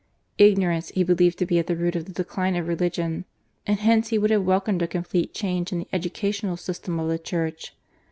Ignorance he believed to be at the root of the decline of religion, and hence he would have welcomed a complete change in the educational system of the Church.